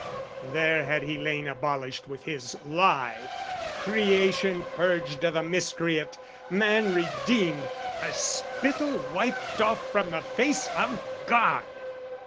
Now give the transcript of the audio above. There had he lain abolished with his lie, Creation purged o' the miscreate, man redeemed, A spittle wiped off from the face of God!